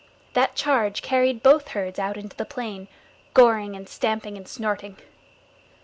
That charge carried both herds out into the plain, goring and stamping and snorting.